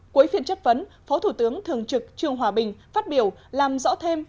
cuối phiên chất vấn phó thủ tướng thường trực trương hòa bình phát biểu làm rõ thêm